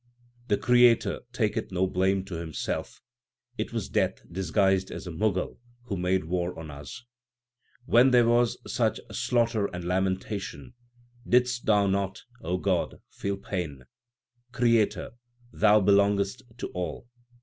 The Creator taketh no blame to Himself ; it was Death disguised as a Mughal who made war on us. When there was such slaughter and lamentation, didst not Thou, O God, feel pain ? Creator, Thou belongest to all.